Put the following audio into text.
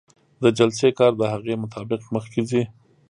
د جلسې کار د هغې مطابق مخکې ځي.